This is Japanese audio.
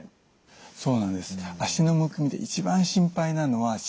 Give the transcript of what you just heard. そうなんです。